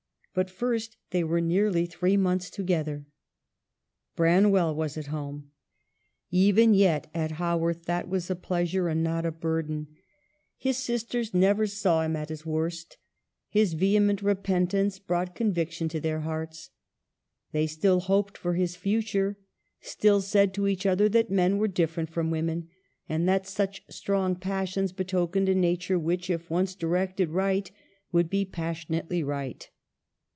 But first they were nearly three months together. Bran well was at home. Even yet at Haworth that was a pleasure and not a burden. His sis I/J O EMILY BROXTE. ters never saw him at his worst ; his vehement repentance brought conviction to their hearts. They still hoped for his future, still said to each other that men were different from women, and that such strong passions betokened a nature which, if once directed right, would be passion ately right.